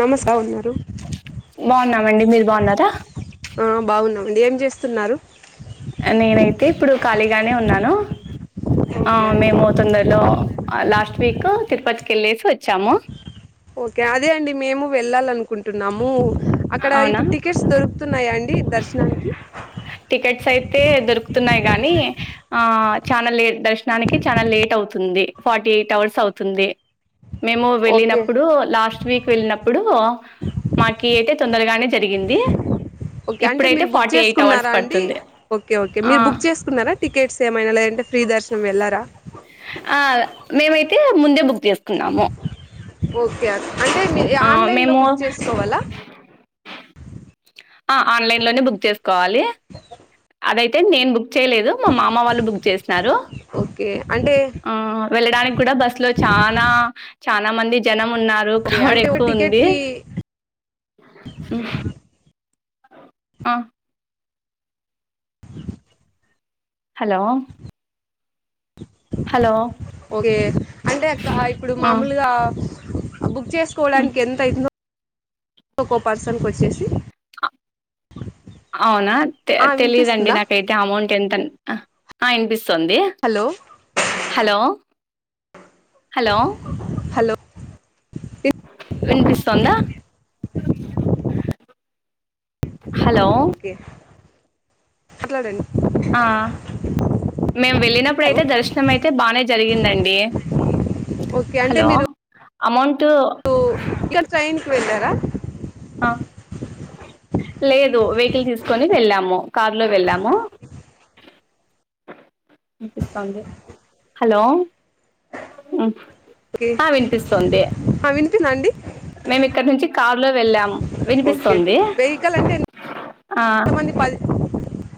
నమస్కా ఉన్నారు బాగున్నామండి మీరు బాగున్నారా ఆ బాగున్నామండి ఏం చేస్తున్నారు నేనైతే ఇప్పుడు ఖాళీగానే ఉన్నాను ఆ ఓకే అండి మేము తొందరలో లాస్ట్ వీక్ తిరుపతికి వెళ్ళేసి వచ్చాము ఓకే అదే అండి మేము వెళ్ళాల అనుకుంటున్నాము అక్కడ అవునా ఇప్పుడు టికెట్ దొరుకుతున్నాయాండి దర్శనానికి టికెట్స్ అయితే దొరుకుతున్నాయి గానీ ఆ చాలా లేట్ దర్శనానికి చానా లేట్ అవుతుంది ఫార్టీ ఎయిట్ అవర్స్ అవుతుంది మేము ఓకే వెళ్ళినప్పుడు లాస్ట్ వీక్ వెళ్ళినప్పుడు మాకి అయితే తొందరగానే జరిగింది ఓకే అంటే ఇప్పుడైతే మీరు బుక్ ఫార్టీ ఎయిట్ అవర్స్ చేసుకున్నారా అండి పడుతుంది ఓకే ఓకే ఆ మీరు బుక్ చేసు కున్నారా టికెట్స్ ఏమైనా లేదంటే ఫ్రీ దర్శనం వెళ్లారా ఆ మేమైతే ముందే బుక్ చేసుకున్నాము ఓకే అంటే మీ ఆ ఆన్లైన్ లో మేము బుక్ చేసుకోవాలా ఆ ఆన్లైన్ లోనే బుక్ చేసుకోవాలి ఆదయి నేను బుక్ చేయలేదు మా మామ వాళ్ళు బుక్ చేసినారు ఓకే అంటే ఆ వెళ్ళడానికి కూడా బస్ లో చానా చాలా మంది జనం ఉన్నారు ఓకే కావడ అంటే ఒక ఎక్కువ ఉంది టికెట్కి [unintelligible] ఉం ఆ హలో హలో! ఓకే అంటే అక్క ఇప్పుడు ఆ! మామూలుగా బుక్ హ్మ్. చేసుకోవడానికి ఎంత అయితుందో ఒకో పర్సన్ కొచ్చేసి అవునా తే తెలిదండి నాకైతే అమౌంట్ ఎంత అ వినిపిస్తుంది హలో హలో హలో హలో వినిపిస్తుందా హలో ఒకే మాట్లాడండి ఆ మేము వెళ్ళినప్పుడు హలో అయితే దర్శనం అయితే బానే జరిగిందండి ఓకే అంటే మీరు అమౌంట్ ఇక ట్రైన్కి వెళ్ళారా ఆ లేదు వెహికల్ తీసుకొని వెళ్ళాము కారులో వెళ్ళాము వినిపిస్తోంది హలో ఉం ఓకే వినిపింద అండి [unintelligible] మేము ఇక్కడ నుంచి కారులో వెళ్ళాం ఓకే వినిపిస్తుంది ఆ కంపాది [unintelligible]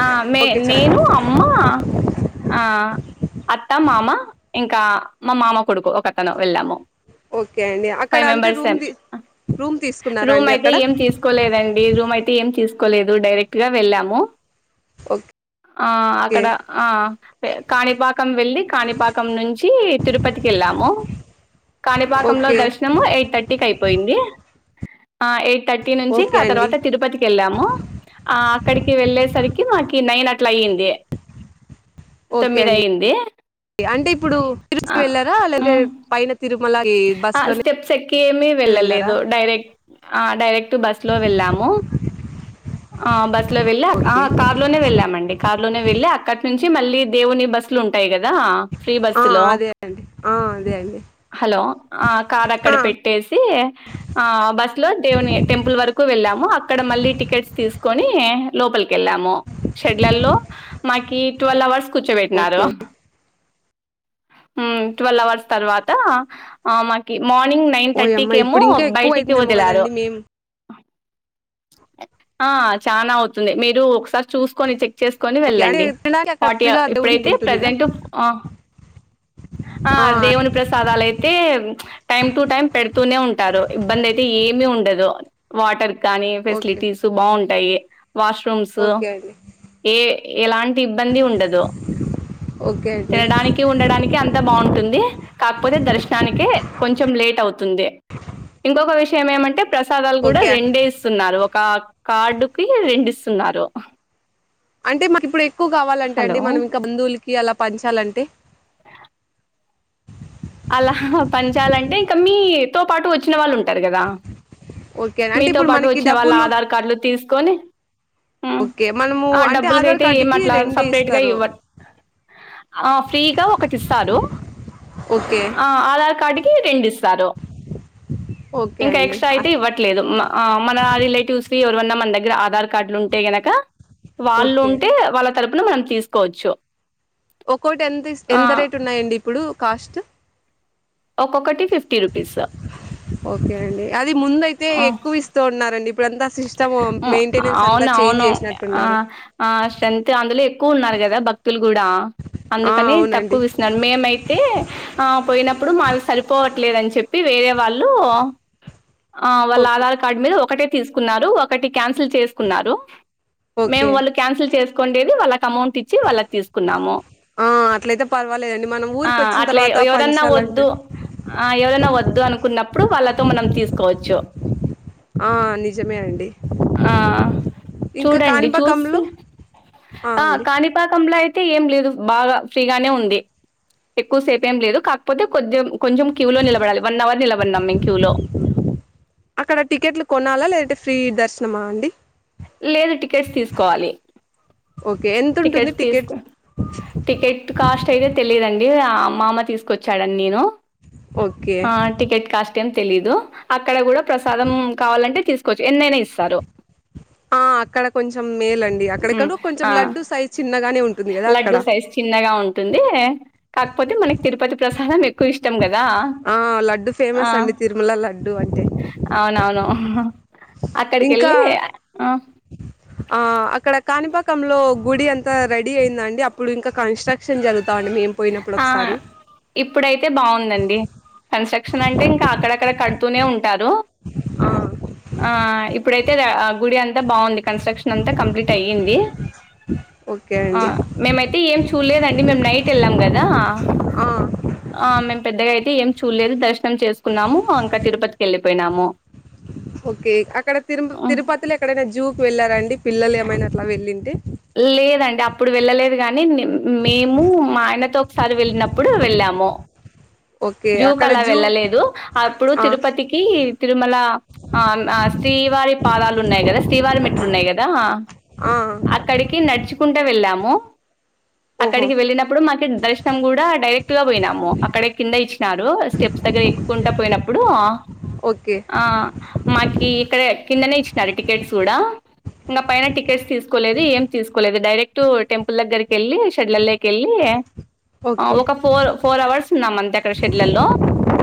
ఆ మే నేను అమ్మ ఆ అత్త మామ ఇంకా మా మామ కొడుకు ఒక అతను వెళ్ళాము ఓకే అండి అక్కడ ఫైవ్ అంటే మెంబర్స్ రూమ్ తీ రూమ్ తీసుకున్నారా అండి అక్కడ కోలేదండి రూమ్ అయితే ఏం తీసుకోలేదు డైరెక్ట్ గా వెళ్ళాము ఓకే ఆ అక్కడ ఆ కాణిపాకం వెళ్ళి కాణిపాకం నుంచి తిరుపతికి వెళ్ళాము కాణిపాకంలో ఓకే దర్శనము ఎయిట్ థర్టీ థర్టీకి అయిపోయింది ఎయిట్ థర్టీ నుంచి ఓకే ఆ అండి తర్వాత తిరుపతికి వెళ్ళాము ఆ అక్కడికి వెళ్ళేసరికి మాకి నైన్ అట్లా అయింది ఓకే తొమ్మిది అండి అయ్యింది అంటే ఇప్పుడు తిరుపతి ఆ వెళ్ళారా ఉ లేదంటే పైన తిరుమలకీ ఆ స్టెప్స్ ఎక్కి ఏమి వెళ్ళారా వెళ్ళలేదు డైరెక్ట్ ఆ డైరెక్ట్ బస్ లో వెళ్ళాము ఆ బస్ లో వెళ్ళి అక్ ఆ ఓకే కార్ లోనే వెళ్ళామండి కారు లోనే వెళ్ళి అక్కడి నుంచి మళ్ళీ దేవుని బస్సు లు ఉంటాయి కదా ఫ్రీ ఆ బస్సులు అదే ఆ అదే అండి హలో ఆ కార్ అక్కడ ఆ పెట్టేసి ఆ బస్సు లో దేవుని టెంపుల్ వరకు వెళ్ళాము అక్కడ మళ్ళీ టికెట్స్ తీసుకొని లోపలికి వెళ్ళాము షెడ్లల్లో మాకి ట్వెల్వ్ అవర్స్ కూర్చోబెట్టినారు ఓకే ఉ ట్వెల్వ్ అవర్స్ తర్వాత ఆ మాకి మార్నింగ్ నైన్ ఓయమ్మ థర్టీకి ఏమో ఇప్పుడు ఇంకా ఎక్కువ బయటికి అవుతుందేమో వదిలారు కదండి మేము ఆ చానా అవుతుంది మీరు ఒకసారి చూసుకొని చెక్ చేసుకొని ఓకే అదే వెళ్ళండి తినడానికి అక్కడ ఫార్టీ ఆ ఫ్రీగా దేవుడి ఇప్పుడైతే ఉంటుందిగా ప్రజెంట్ ఆ ఆ దేవుని ప్రసాదాలయి అయితే టైమ్ టు టైమ్ పెడుతూనే ఉంటారు ఇబ్బంది అయితే ఏమి ఉండదు వాటర్ కానీ ఓకే ఫెసిలిటీస్ బాగుంటాయి వాష్రూమ్స్ ఓకే అండి ఏ ఎలాంటి ఇబ్బంది ఉండదు ఓకే అండి ఇగ ఉండడానికి అంతా బాగుంటుంది కాకపోతే దర్శనం నానికి కొంచెం లేట్ అవుతుంది ఇంకొక విషయం ఏమంటే ప్రసాదాలు కూడా ఓకే రెండే ఇస్తున్నారు ఒక కార్డుకిి రెండు ఇస్తున్నారు అంటే మనికి ఇప్పుడు ఎక్కువ కావాలంటే హలో! అండి మనం ఇంకా బంధువులకి అలా పంచాలంటే అలా పంచాలి అంటే ఇంకా మీతో పాటు వచ్చిన వాళ్ళు ఉంటారు కదా ఓకే అంటే మీతో ఇప్పుడు పాటు మనకి వచ్చిన వాళ్ళ డబ్బులు ఆధార్ కార్డులు తీసుకొని ఉ ఓకే మనము ఆ అంటే ఆధార్ డబ్బులకైతే కార్డుకి ఏమట్లా రెండే సపరేట్గా ఇస్తారు ఇవ్వర్ ఆ ఫ్రీగా ఒకటి ఇస్తారు ఓకే అ ఆధార్ కార్డు కి రెండ్ ఇస్తారు ఓకే ఇంక అండి ఎక్స్ట్రా ఆ! అయితే ఇవట్ లేదు ఆ మన రిలేటివ్స్ కీ ఎవరివన్నా మన దగ్గర ఆధార్ కార్డులు ఉంటే గనక వాళ్ళు ఓకే ఉంటే వాళ్ళ తరపున మనం తీసుకోవచ్చు ఒకోటి ఎంత ఇస్ ఆ ఎంత రేట్ ఉన్నాయండి ఇప్పుడు కాస్ట్ ఒక్కొక్కటి ఫిఫ్టీ రూపీస్ ఓకే అండి అది ముందయితే ఎక్కువ ఇస్తూ ఉన్నారండి ఇప్పుడు అంత సిస్ ఉ అవునవును ఆ చేసినట్టున్నారు ఆ స్ట్రెంత్ అందులో ఎక్కువ ఉన్నారు కదా భక్ క్తులు కూడా ఆ అందుకని అవునండి తక్కువ ఇస్తునరు మేమైతే ఆ పోయినప్పుడు మావి సరిపోవట్లేదని చెప్పి వేరే వాళ్ళు ఆ వాళ్ళ ఓకే ఆధార్ కార్డ్ మీద ఒకటే తీసుకున్నారు ఒకటి క్యాన్సిల్ చేసుకున్నారు మేము ఓకే వాళ్ళు క్యాన్సిల్ చేసుకుండేది వాళ్ళకి అమౌంట్ ఇచ్చి వాళ్ళకి తీసుకున్నాము ఆ అట్లయితే పర్వాలేదండి మనం ఆ ఊరికి వచ్చిన అట్లా తర్వాత ఎవరన్నా పంచాలంటే వద్దు ఆ ఎవరన్న వద్దు అనుకున్నప్పుడు వాళ్ళతో మనం తీసుకోవచ్చు ఆ నిజమే అండి ఆ ఇంకా చూడండి కాణిపాకంలో చూసి ఆ కాణిపాకంల అయితే ఏం లేదు బాగా ఫ్రీ గానే ఉంది ఎక్కువ సేపెంలేదు కాకపోతే కొద్దిగ కొంచం క్యూ లో నిలబడాలి వన్ అవర్ నిలబడిననాం మేము క్యూ లో అక్కడ టికెట్లు కొనాలా లేదంటే ఫ్రీ దర్శనమా అండి? లేదు టికెట్స్ తీసుకోవాలి. ఓకే ఎంత ఉంటుంది టికెట్స్ టికెట్ తీస్కో టికెట్ కాస్ట్ అయితే తెలియదండి ఆ మామ తీసుకొచ్చాడండి నేను ఓకే ఆ టికెట్ కాస్ట్ ఏం తెలీదు అక్కడ కూడ ప్రసాదం కావాలంటే తీసుకోవచ్చు, ఎన్నైనా ఇస్తారు. ఆ అక్కడ కొంచెం మేలండి మ్ అక్కడికంటు కొంచం ఆ లడ్డు సైజ్ చిన్నగానే ఉం లడ్డూ సైజ్ చిన్నగా ఉంటుంది కాకపోతే మనకి తిరుపతి ప్రసాదం ఎక్కువ ఇష్టం కదా. ఆ లడ్డు ఆ ఫేమస్ అండి తిరుమల లడ్డు అంటే అవునవును ఇంకా అక్కడికెళ్ళి ఆ ఆ అక్కడ కాణిపాకంలో గుడి అంతా రెడీ అయిందండి అప్పుడు ఇంకా కన్స్ట్రక్షన్ జరుగుతాండి మేం పోయినప్పుడు ఆ! ఒకసారి ఇప్పుడైతే బాగుందండి కన్స్ట్రక్షన్ అంటే ఇంకా అక్కడక్కడ కడు తూనే ఉంటారు ఆ ఆ ఇప్పుడైతే రా ఆ గుడి అంతా బాగుంది కన్స్ట్రక్షన్ అంతా కంప్లీట్ అయ్యింది. ఓకే ఆ అండి మేమైతే ఏం చూల్లేదండి మేము నైట్ ఎళ్ళాం కదా. ఆ ఆ మేము పెద్దగా అయితే ఏం చూడలేదు దర్శనం చేసుకున్నాము ఇంకా తిరుపతికి వెళ్ళిపోయినాము. ఓకే అక్కడ తిరుమ తిరుపతిలో ఎక్కడైనా జూకి వెళ్ళారండి పిల్లలు ఏమైనా అట్ల వెళ్ళింటే లేదండి అప్పుడు వెళ్ళలేదు కానీ మే మేము మా ఆయనతో ఒకసారి వెళ్ళినప్పుడు వెళ్ళాము. ఓకే జూకు అక్కడ అలా జూ వెళ్ళలేదు అప్పుడు ఆ తిరుపతికి కీ తిరుమల ఆ ఆ శ్రీవారి పాదాలు ఉన్నాయి కదా, శ్రీవారి మెట్లు ఉన్నాయి కదా ఆ అక్క అక్కడికి నడుచుకుంట వెళ్ళాము. ఓహో అక్కడికి వెళ్ళినప్పుడు మాకి దర్శనం గూడా డైరెక్ట్ గా పోయినాము, అక్కడే కింద ఇచ్చినారు స్టెప్స్ దగ్గర ఎక్కు కుంట పోయినప్పుడు ఓకే ఆ మాకి ఇక్కడే కిందనే ఇచ్చినారు టికెట్స్ కూడా ఇంగ పైన టికెట్స్ తీసుకోలేదు ఏం తీసుకోలేదు డైరెక్టు టెంపుల్ దగ్గరికెళ్ళి షెడ్లల్లోకి వెళ్ళి, ఆ ఓకే ఒక ఫోర్ ఫోర్ అవర్స్ ఉన్నామంతే అక్కడ షెడ్లల్లో.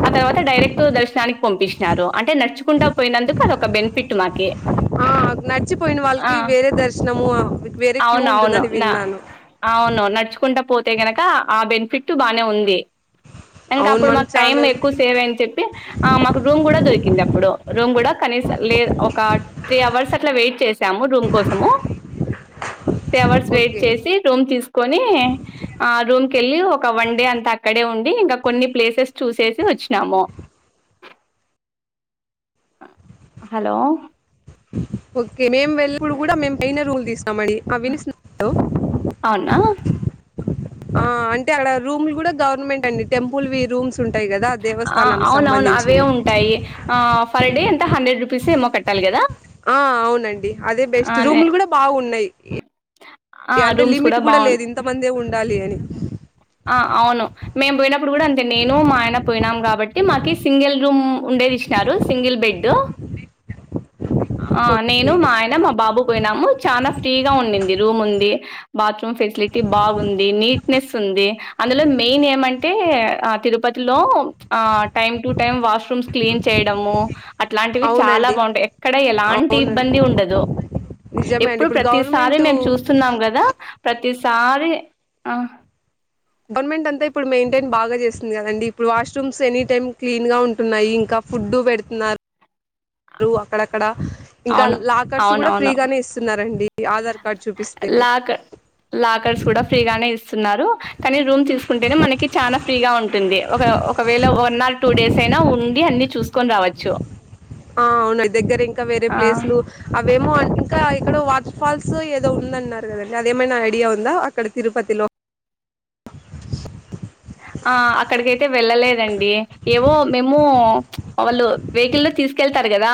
ఆ తర్వాత డైరెక్ట్ దర్శనానికి పంపిచినారు అంటే నడుచుకుంటా పోయినందుకు అదొక బెనిఫిట్ మాకి ఆ నడిచిపోయిన ఆ వాళ్ళకి వేరే దర్శనము ఆ వేరే క్యూ అవును అవును ఉంటుందని నా విన్నాను. అవును నడుచుకుంటా పోతే గనుక ఆ బెనిఫిట్ బానే ఉంది. ఇంక అవును అప్పుడు మనం మాకు చాలా టైమ్ ఎక్కువ రోజులు సేవ్ అయిన్ చెప్ ఆ మాకు రూమ్ కూడ దొరికింది అప్పుడు, రూమ్ గుడ కనీస లేదు ఒక త్రీ అవర్స్ అట్ల వెయిట్ చేశాము రూమ్ కోసము. త్రీ అవర్స్ వెయిట్ ఓకే చేసి రూమ్ తీసుకొని ఆ రూమ్కిళ్ళి ఒక వన్ డే అంతా అక్కడే ఉండి ఇంకా కొన్ని ప్లేసెస్ చూసేసి వచ్చినాము. హలో ఓకే మేము వెళ్ళినప్పుడు గుడ మేము పైన రూమ్ తీసామండి. ఆ వినిస్ అవునా ఆ అంటే అక్కడ రూములు గుడ గవర్నమెంట్ అండి టెంపుల్వి రూమ్ కుంటాయి కదా ఆ దేవస్థాననికి సంబంధించివి ఫర్ డే ఎంతా హండ్రెడ్ రూపీస్ ఏమో కట్టాలి కదా ఆ అవునండి అదే బెస్ట్ రూమ్లు కూడా బాగున్నాయి. ఆ అంటే రూమ్స్ లిమిట్ కూడా బాగుం లేదు ఇంతమందే ఉండాలి అని ఆ అవును మేము పోయినప్పుడు కూడా అంతే. నేను మా ఆయన పోయినాం కాబట్టి మాకి సింగిల్ రూమ్ ఉండేది. ఇచ్ చారు సింగిల్ బెడ్ సౌండ్ ఉన్నది ఆ నేను మా ఆయన మా బాబు పోయినాము చాన ఫ్రీగా ఉండింది రూమ్ ఉంది బాత్రూమ్ ఫెసిలిటీ బాగుంది నీట్నెస్ ఉంది అందులో మెయిన్ ఏమంటే తిరుపతిలో time to time washrooms clean చేయడము అట్లాంటివి చాలా అవునండి బావుంటాయి ఎక్కడ ఎలాంటి అవునండి ఇబ్బంది ఉండదు నిజమే అండి ఎప్పుడు ఇప్పుడు ప్రతిసారి గవర్నమెంట్ మేము చూస్తున్నాం కదా ప్రతిసారి గవర్నమెంట్ అంతా ఇప్పుడు మెయింటైన్ బాగా చేస్తుంది కదండి ఇప్పుడు వాష్రూమ్స్ ఎనీ టైమ్ క్లీన్ గా ఉంటున్నాయి ఇంకా ఫుడ్ పెడుతున్నారు అక్కడక్కడ ఇంకా అవును లాకర్స్ కూడా అవునవును ఫ్రీగానే ఇస్తున్నారండి ఆధార్ కార్డ్ చూపిస్తే లాక్ లాకర్స్ కూడా ఫ్రీగానే ఇస్తున్నారు. కానీ రూమ్ తీసుకుంటేనే మనకి చాన ఫ్రీగా ఉంటు ది ఒక ఒకవేళ వన్ ఆర్ టూ డేస్ అయినా ఉండి అన్ని చూసుకొని రావచ్చు. ఆ అవున దగ్గర ఇంకా వేరే ఆ ప్లేసులు అవేమో ఇంకా ఇక్కడ వాటర్ ఫాల్స్ ఏదో ఉంది అన్నారు కదండి. అదేమైనా ఐడియా ఉందా అక్కడ తిరుపతిలో. ఆ అక్కడికైతే వెళ్ళలేదండి ఏవో మేము వాళ్ళు వెహికల్లో తీసుకెళ్తారు కదా.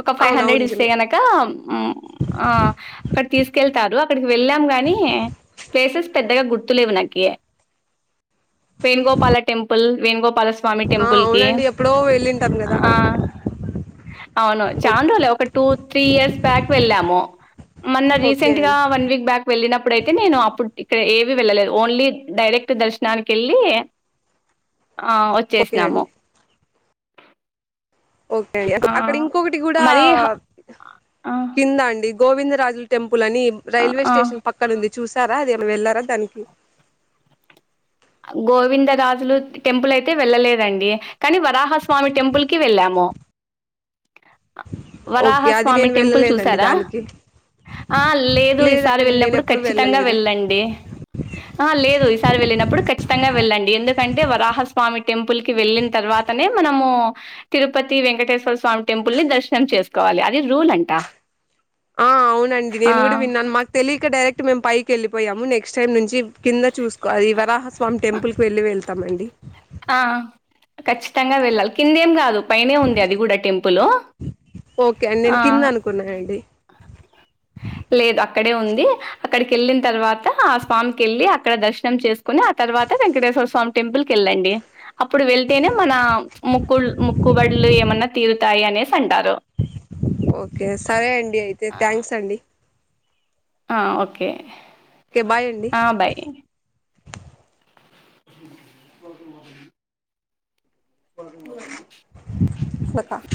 ఒక ఫైవ్ అవును అవును హండ్రెడ్ ఇస్తే నిజమే గనక ము ఆ అక్కడ తీసుకెళ్తారు అక్కడికి వెళ్ళాం గాని ప్లేసెస్ పెద్దగా గుర్తులేవు నాకి వేణగోపాల టెంపుల్ వేణగోపాల సా ఆ అవునండి ఎప్పుడో వెళ్ళింటాం కదా ఆ అవును ఓ చానరోజులే ఒక టూ త్రీ ఇయర్స్ బ్యాక్ వెళ్ళాము మొన్న ఓకే రీసెంట్ గా అండి వన్ వీక్ బ్యాక్ వెళ్ళినప్పుడయితే నేను అప్పుడు ఇక్కడ ఏవీ వెళ్ళలేదు ఓన్లీ డైరెక్ట్. దర్శనానికి వెళ్ళి ఆ ఓకే వచ్చేసినాము అండి ఓకే అండి అక్కడ ఆహ్, ఇంకొకటి కూడా మరి హ ఆ! కింద అండి గోవిందరాజుల టెంపుల్ అని ఆ! రైల్వే ఆ! స్టేషన్ పక్కనుంది చూసారా అది ఏమన్నా వెళ్లారా దానికి గోవిందరాజులు టెంపుల్ అయితే వెళ్ళలేదండి. కానీ వరాహస్వామి టెంపుల్ కి వెళ్ళాము. ఓకే అది వరాహస్వామి నేను టెంపుల్ వెళ్ళలేదండి చూసారా. దానికి ఆ లేదు ఈసారి లేదండి నేను వెళ్ళినప్పుడు ఎప్పుడు ఖచ్చితంగా వెళ్ళలేదు వెళ్ళండి. ఆ లేదు ఈసారి వెళ్ళినప్పుడు క ఖచ్చితంగా వెళ్ళండి. ఎందుకంటే వరాహస్వామి టెంపుల్ కి వెళ్ళిన తర్వాతనే మనము తిరుపతి వెంకటేశ్వర స్వామి టెంపుల్ ని దర్శనం చేసుకోవాలి. అది రూల్ అంట ఆ అవునండి. ఆ! నేను కూడా విన్నాను మాకు తెలియక డైరెక్ట్ మేము పైకి వెళ్ళిపోయాము. నెక్స్ట్ టైం నుంచి కింద చూసుకోవాలి ఇ వరాహస్వామి టెంపుల్కి వెళ్ళి వెళ్తామండి. ఆ ఖచ్చితంగా వెళ్ళాలి కిందేం కాదు పైన ఉంది అది కూడా టెంపుల్ ఓకే అండి నేను కింద అనుకున్నానండి లేదు అక్కడే ఉంది అక్కడికి వెళ్ళిన తర్వాత ఆ స్వామికి వెళ్ళి అక్కడ దర్శనం చేసు ని ఆ తర్వాత వెంకటేశ్వర స్వామి టెంపుల్ కెళ్ళండి అప్పుడు వెళ్తేనే మన ముక్కుల్ ముక్కుబడ్లు ఏమన్నా తీరుతాయి అనేసి అంటారు ఓకే సరే అండి అయితే థ్యాంక్స్ అండి ఆ ఓకే ఓకే బాయ్ అండి ఆ బాయ్ వల్క వల్ ఉ